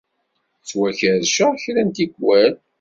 Ttwakerrceɣ kra n tikwal.